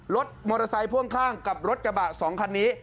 รถมอเตอร์ไซค์พ่วงข้างกับรถกระบะ๒คันนี้